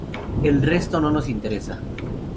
El resto no nos interesa".